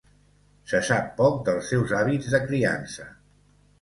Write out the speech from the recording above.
Se sap poc dels seus hàbits de criança.